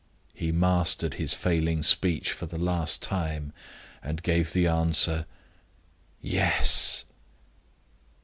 He mastered his failing speech for the last time, and gave the answer: "Yes!"